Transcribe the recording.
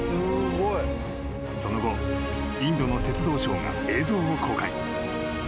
［その後インドの鉄道省が映像を公開］